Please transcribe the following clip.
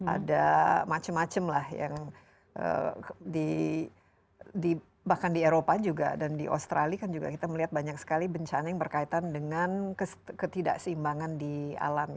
ada macam macam lah yang di bahkan di eropa juga dan di australia kan juga kita melihat banyak sekali bencana yang berkaitan dengan ketidakseimbangan di alam